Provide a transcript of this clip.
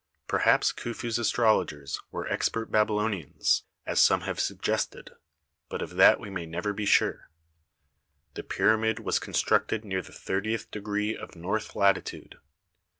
Perhaps Khufu's astrologers were expert Babylo nians, as some have suggested, but of that we may never be sure. The pyramid was constructed near the thirtieth degree of north latitude.